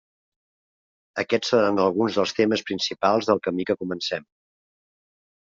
Aquests seran alguns dels temes principals del camí que comencem.